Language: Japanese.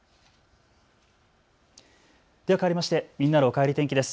かわりましてみんなのおかえり天気です。